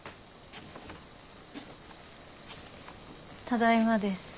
ただいまです。